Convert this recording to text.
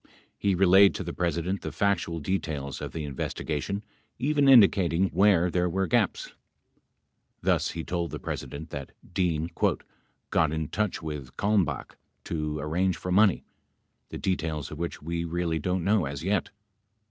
He relayed to the President the factual details of the investigation, even indicating where there were gaps. Thus he told the President that Dean "got in touch with Kalmbaoh to arrange for money, the details of which we really don't know as yet."